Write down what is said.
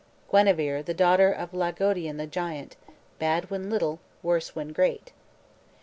"Guenever, the daughter of Laodegan the giant, Bad when little, worse when great."